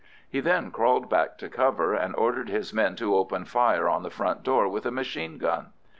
He then crawled back to cover, and ordered his men to open fire on the front door with a machine gun.